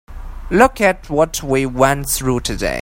Look at what we went through today.